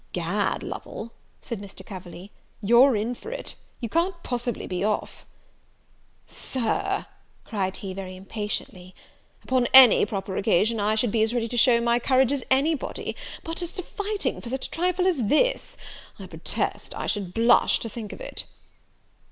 "Egad, Lovel," said Mr. Coverley, "you're in for it! you can't possibly be off!" "Sir," cried he, very impatiently, "upon any proper occasion I should be as ready to show my courage as any body; but as to fighting for such a trifle as this I protest I should blush to think of it!"